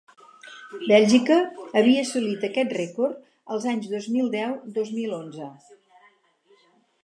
Bèlgica havia assolit aquest rècord els anys dos mil deu-dos mil onze.